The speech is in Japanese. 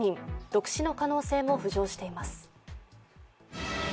毒死の可能性も浮上しています。